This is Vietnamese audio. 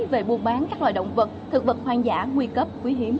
về buôn bán các loài động vật thực vật hoang dã nguy cấp quý hiếm